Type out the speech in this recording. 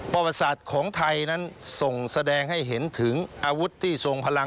ประวัติศาสตร์ของไทยนั้นส่งแสดงให้เห็นถึงอาวุธที่ทรงพลัง